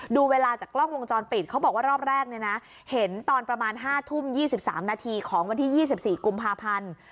ดูเวลาจากกล้องวงจรปิดเขาบอกว่ารอบแรกเนี่ยนะเห็นตอนประมาณ๕ทุ่ม๒๓นาทีของวันที่๒๔กุมภาพันธ์